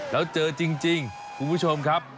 แล้วเจอจริงคุณผู้ชมครับ